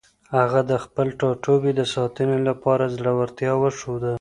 هغه د خپل ټاټوبي د ساتنې لپاره زړورتیا وښوده.